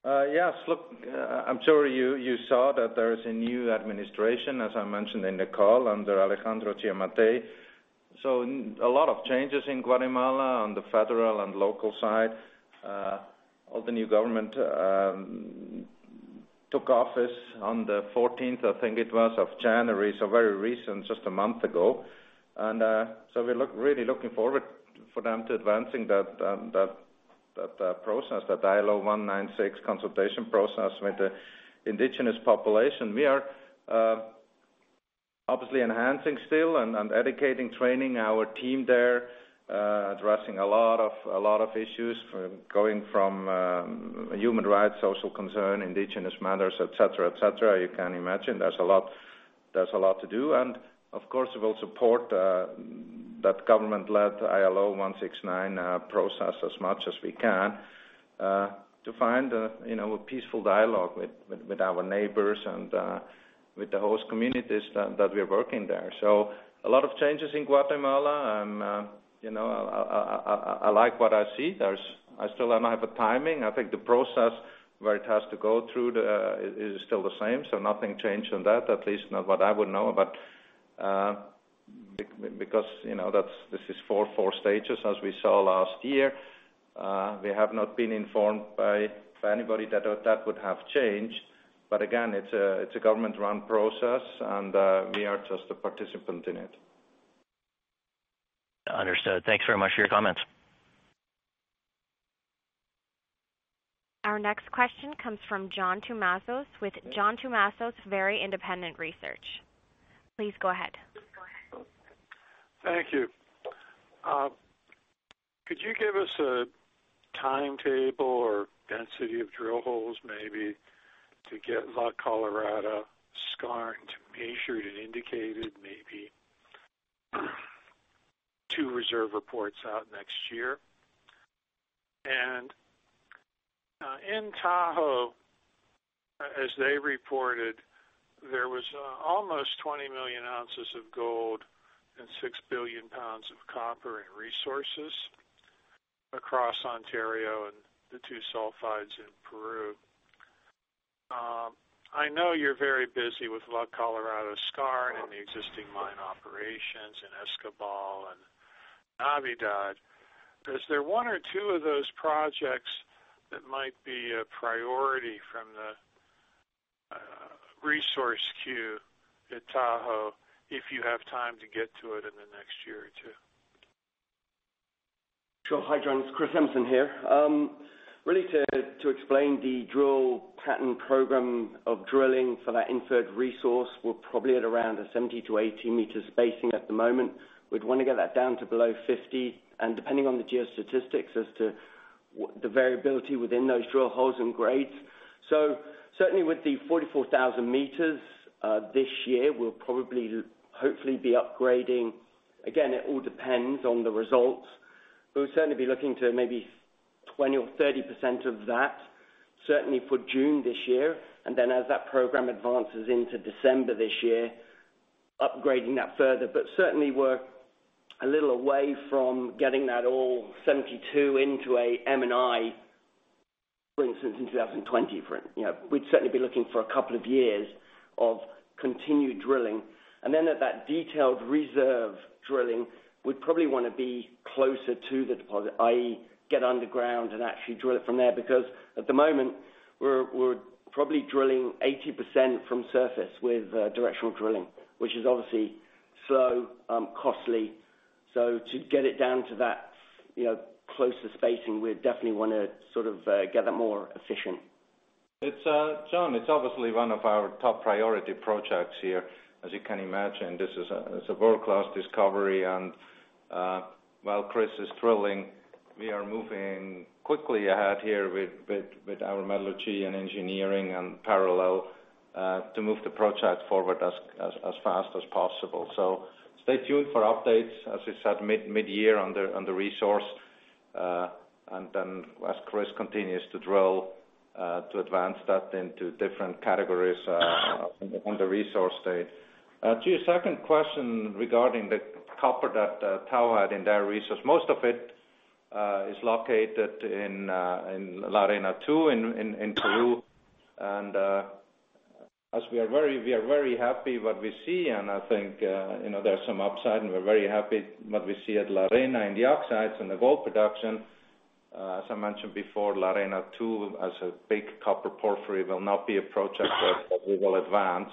Yes. Look, I'm sure you saw that there is a new administration, as I mentioned in the call, under Alejandro Giammattei. So a lot of changes in Guatemala on the federal and local side. All the new government took office on the 14th, I think it was, of January. So very recent, just a month ago. And so we're really looking forward for them to advancing that process, that ILO 169 consultation process with the indigenous population. We are obviously enhancing still and dedicating training our team there, addressing a lot of issues going from human rights, social concern, indigenous matters, etc., etc. You can imagine there's a lot to do. And of course, we'll support that government-led ILO 169 process as much as we can to find a peaceful dialogue with our neighbors and with the host communities that we're working there. So a lot of changes in Guatemala. I like what I see. I still don't have a timing. I think the process where it has to go through is still the same. So nothing changed on that, at least not what I would know. But because this is four stages, as we saw last year, we have not been informed by anybody that that would have changed. But again, it's a government-run process, and we are just a participant in it. Understood. Thanks very much for your comments. Our next question comes from John Tumazos with John Tumazos Very Independent Research. Please go ahead. Thank you. Could you give us a timetable or density of drill holes maybe to get La Colorada Skarn to be Inferred and Indicated maybe two reserve reports out next year? In Tahoe, as they reported, there was almost 20 million ounces of gold and 6 billion pounds of copper and resources across Ontario and the two sulfides in Peru. I know you're very busy with La Colorada Skarn and the existing mine operations in Escobal and Navidad. Is there one or two of those projects that might be a priority from the resource queue at Tahoe if you have time to get to it in the next year or two? This is Chris Emerson here. Really, to explain the drill pattern program of drilling for that inferred resource, we're probably at around a 70-80 meters spacing at the moment. We'd want to get that down to below 50. And depending on the geostatistics as to the variability within those drill holes and grades. So certainly, with the 44,000 meters this year, we'll probably hopefully be upgrading. Again, it all depends on the results. We'll certainly be looking to maybe 20% or 30% of that, certainly for June this year. Then as that program advances into December this year, upgrading that further. But certainly, we're a little away from getting that all 72 into an M&I, for instance, in 2020. We'd certainly be looking for a couple of years of continued drilling. And then at that detailed reserve drilling, we'd probably want to be closer to the deposit, i.e., get underground and actually drill it from there. Because at the moment, we're probably drilling 80% from surface with directional drilling, which is obviously slow, costly. So to get it down to that closer spacing, we'd definitely want to sort of get that more efficient. John, it's obviously one of our top priority projects here. As you can imagine, this is a world-class discovery, and while Chris is drilling, we are moving quickly ahead here with our metallurgy and engineering in parallel to move the project forward as fast as possible, so stay tuned for updates, as I said, mid-year on the resource, and then as Chris continues to drill to advance that into different categories on the resource stage. To your second question regarding the copper that Tahoe had in their resource, most of it is located in La Arena II in Peru, and as we are very happy with what we see, and I think there's some upside, and we're very happy with what we see at La Arena in the oxides and the gold production. As I mentioned before, La Arena II, as a big copper porphyry, will not be a project that we will advance.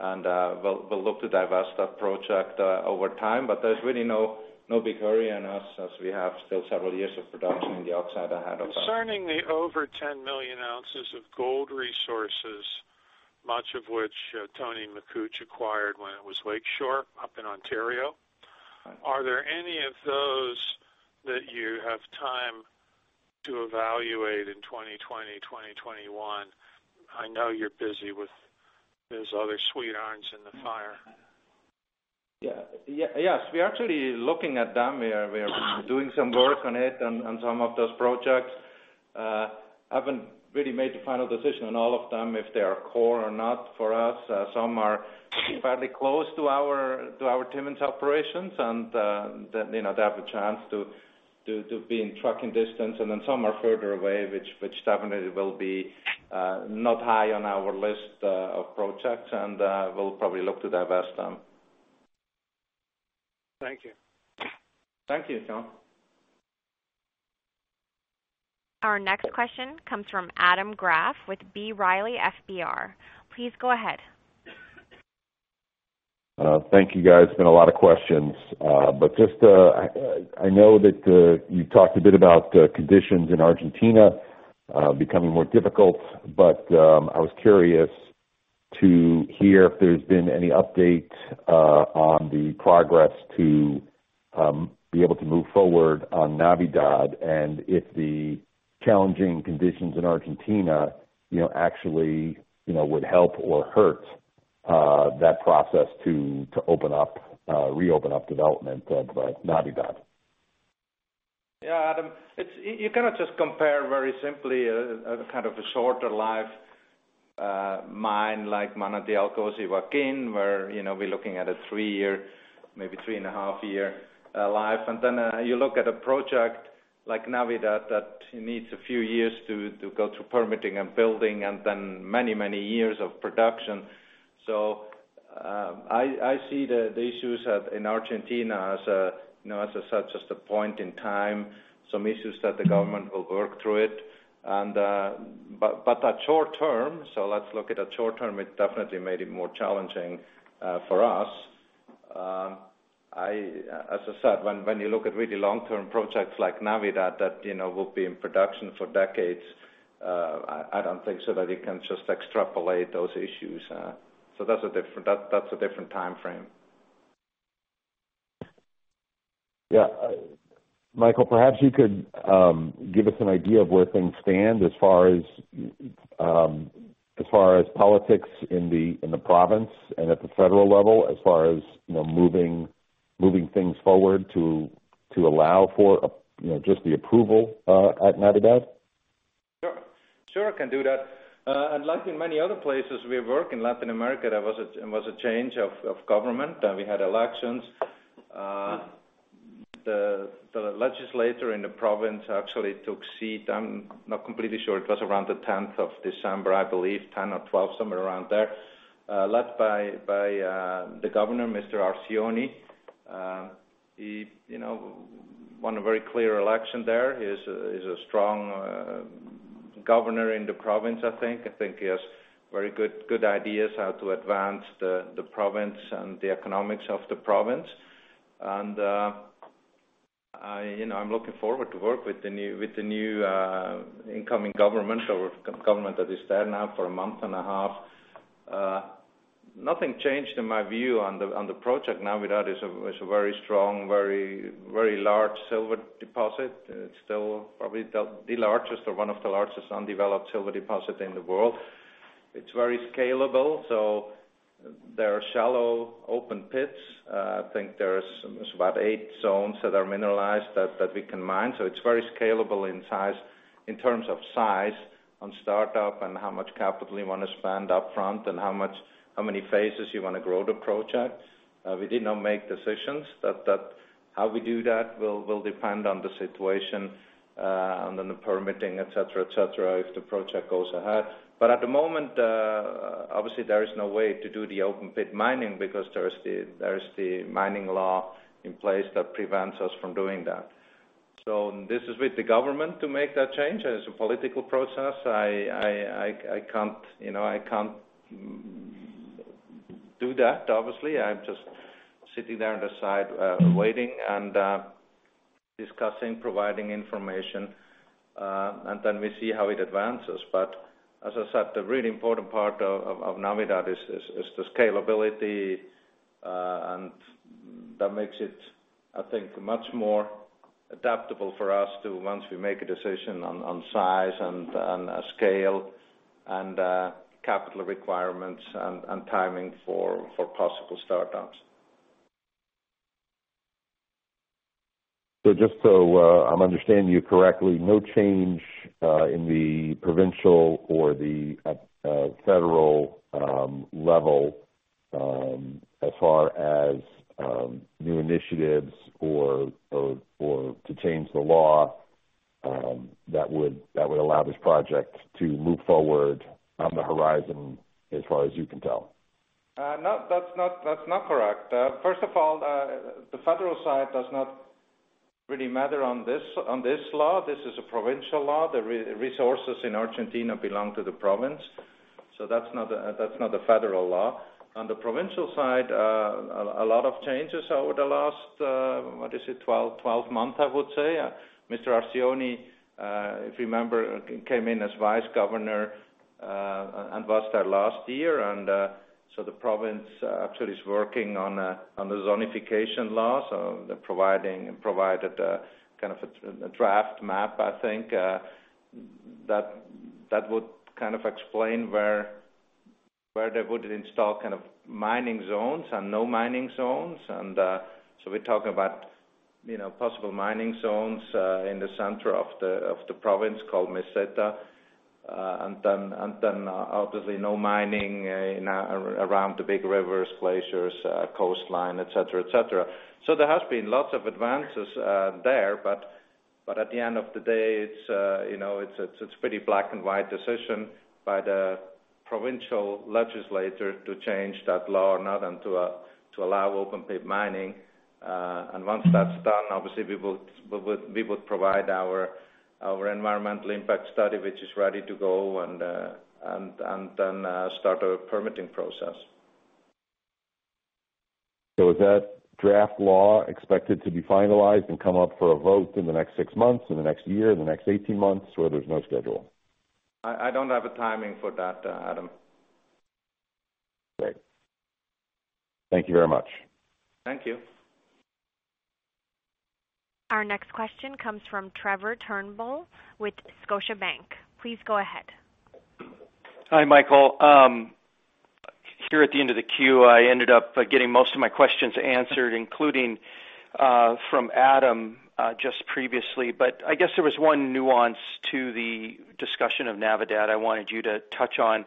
We'll look to divest that project over time. There's really no big hurry on us as we have still several years of production in the oxide ahead of us. Concerning the over 10 million ounces of gold resources, much of which Tony Makuch acquired when it was Lake shore up in Ontario, are there any of those that you have time to evaluate in 2020, 2021? I know you're busy with those other irons in the fire. Yeah. Yes. We're actually looking at them. We're doing some work on it and some of those projects. I haven't really made the final decision on all of them if they are core or not for us. Some are fairly close to our Timmins operations, and they have a chance to be in trucking distance. And then some are further away, which definitely will be not high on our list of projects. And we'll probably look to divest them. Thank you. Thank you, John. Our next question comes from Adam Graf with B. Riley FBR. Please go ahead. Thank you, guys. There's been a lot of questions. But just I know that you talked a bit about conditions in Argentina becoming more difficult. But I was curious to hear if there's been any update on the progress to be able to move forward on Navidad and if the challenging conditions in Argentina actually would help or hurt that process to reopen up development of Navidad? Yeah, Adam. You cannot just compare very simply a kind of a shorter life mine like Manantial Espejo, Joaquin, where we're looking at a three-year, maybe three and a half year life, and then you look at a project like Navidad that needs a few years to go through permitting and building and then many, many years of production, so I see the issues in Argentina as such as the point in time, some issues that the government will work through it, but that short term, so let's look at that short term, it definitely made it more challenging for us, as I said, when you look at really long-term projects like Navidad that will be in production for decades, I don't think so that you can just extrapolate those issues, so that's a different time frame. Yeah. Michael, perhaps you could give us an idea of where things stand as far as politics in the province and at the federal level as far as moving things forward to allow for just the approval at Navidad? Sure. Sure, I can do that. And like in many other places we work in Latin America, there was a change of government. We had elections. The legislature in the province actually took seat. I'm not completely sure. It was around the 10th of December, I believe, 10 or 12, somewhere around there, led by the governor, Mr. Arcioni. He won a very clear election there. He's a strong governor in the province, I think. I think he has very good ideas how to advance the province and the economics of the province. And I'm looking forward to work with the new incoming government or government that is there now for a month and a half. Nothing changed in my view on the project. Navidad is a very strong, very large silver deposit. It's still probably the largest or one of the largest undeveloped silver deposits in the world. It's very scalable. So there are shallow open pits. I think there's about eight zones that are mineralized that we can mine. So it's very scalable in terms of size on startup and how much capital you want to spend upfront and how many phases you want to grow the project. We did not make decisions that how we do that will depend on the situation and on the permitting, etc., etc., if the project goes ahead. But at the moment, obviously, there is no way to do the open pit mining because there's the mining law in place that prevents us from doing that. So this is with the government to make that change. And it's a political process. I can't do that, obviously. I'm just sitting there on the side waiting and discussing, providing information. And then we see how it advances. But as I said, the really important part of Navidad is the scalability. And that makes it, I think, much more adaptable for us once we make a decision on size and scale and capital requirements and timing for possible startups. So just so I'm understanding you correctly, no change in the provincial or the federal level as far as new initiatives or to change the law that would allow this project to move forward on the horizon as far as you can tell? No, that's not correct. First of all, the federal side does not really matter on this law. This is a provincial law. The resources in Argentina belong to the province. So that's not the federal law. On the provincial side, a lot of changes over the last, what is it, 12 months, I would say. Mr. Arcioni, if you remember, came in as vice governor and was there last year. And so the province actually is working on the zonification law, provided kind of a draft map, I think, that would kind of explain where they would install kind of mining zones and no mining zones. And so we're talking about possible mining zones in the center of the province called Meseta. And then obviously no mining around the big rivers, glaciers, coastline, etc., etc. So there has been lots of advances there. But at the end of the day, it's a pretty black-and-white decision by the provincial legislature to change that law or not and to allow open pit mining. And once that's done, obviously, we would provide our environmental impact study, which is ready to go, and then start a permitting process. So is that draft law expected to be finalized and come up for a vote in the next six months, in the next year, in the next 18 months, or there's no schedule? I don't have a timing for that, Adam. Great. Thank you very much. Thank you. Our next question comes from Trevor Turnbull with Scotiabank. Please go ahead. Hi, Michael. Here at the end of the queue, I ended up getting most of my questions answered, including from Adam just previously. But I guess there was one nuance to the discussion of Navidad I wanted you to touch on.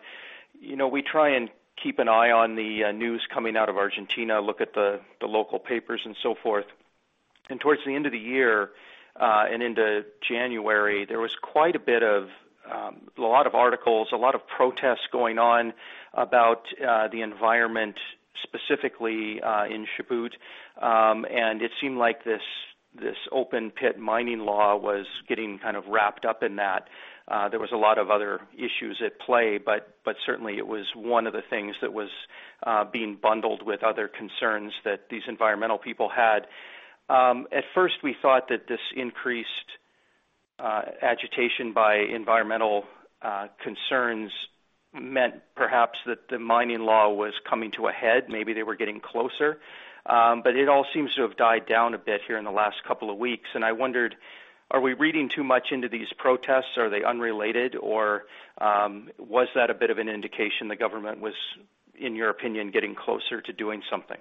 We try and keep an eye on the news coming out of Argentina, look at the local papers and so forth. And towards the end of the year and into January, there was quite a bit of a lot of articles, a lot of protests going on about the environment, specifically in Chubut. And it seemed like this open pit mining law was getting kind of wrapped up in that. There was a lot of other issues at play. But certainly, it was one of the things that was being bundled with other concerns that these environmental people had. At first, we thought that this increased agitation by environmental concerns meant perhaps that the mining law was coming to a head. Maybe they were getting closer. But it all seems to have died down a bit here in the last couple of weeks. And I wondered, are we reading too much into these protests? Are they unrelated? Or was that a bit of an indication the government was, in your opinion, getting closer to doing something?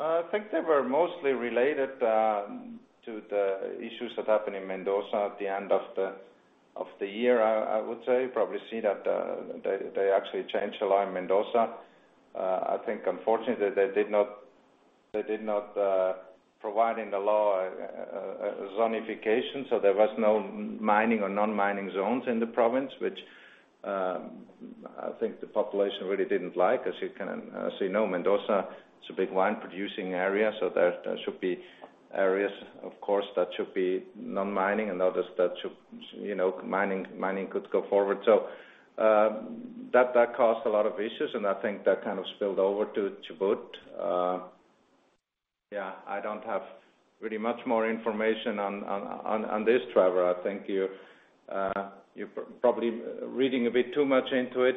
I think they were mostly related to the issues that happened in Mendoza at the end of the year, I would say. Probably see that they actually changed the law in Mendoza. I think, unfortunately, they did not provide in the law zonification. So there was no mining or non-mining zones in the province, which I think the population really didn't like. As you can see, no, Mendoza is a big wine-producing area. So there should be areas, of course, that should be non-mining and others that should mining could go forward. So that caused a lot of issues. And I think that kind of spilled over to Chubut. Yeah. I don't have really much more information on this, Trevor. I think you're probably reading a bit too much into it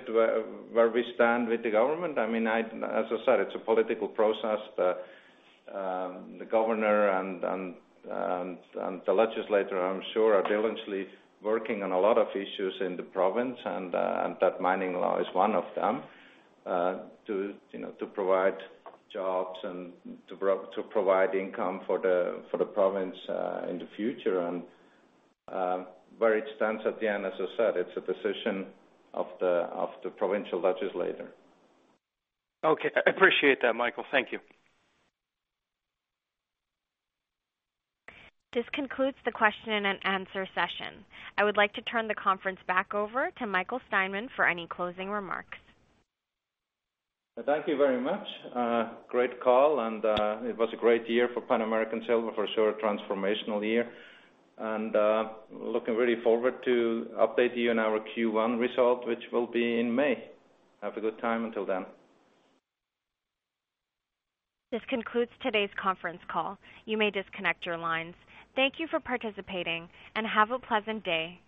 where we stand with the government. I mean, as I said, it's a political process. The governor and the legislature, I'm sure, are diligently working on a lot of issues in the province, and that mining law is one of them to provide jobs and to provide income for the province in the future, and where it stands at the end, as I said, it's a decision of the provincial legislature. Okay. I appreciate that, Michael. Thank you. This concludes the question and answer session. I would like to turn the conference back over to Michael Steinmann for any closing remarks. Thank you very much. Great call. It was a great year for Pan American Silver, for sure, transformational year. Looking really forward to update you on our Q1 result, which will be in May. Have a good time until then. This concludes today's conference call. You may disconnect your lines. Thank you for participating and have a pleasant day.